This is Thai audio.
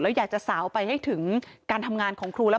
แล้วอยากจะสาวไปให้ถึงการทำงานของครูและ